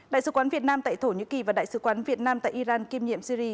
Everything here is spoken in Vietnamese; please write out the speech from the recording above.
đại sứ quán việt nam tại thổ nhĩ kỳ và đại sứ quán việt nam tại iran kiêm nhiệm syri